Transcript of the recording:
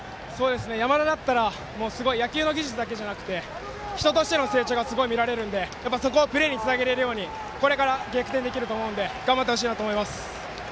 山田だったら野球だけの技術ではなくて人としての成長がすごく見られるので、そこをプレーにつなげられるようにこれから、逆転できると思うので頑張ってほしいと思います。